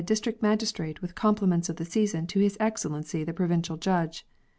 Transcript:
105 District Magistrate with compliments of the season to His Excellency the Provincial Judge.